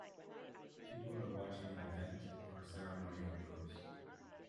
People are watching an event or ceremony outdoors.